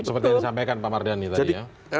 seperti yang disampaikan pak mardani tadi